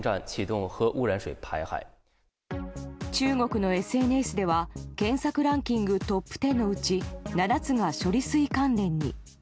中国のＳＮＳでは検索ランキングトップ１０のうち７つが処理水関連に。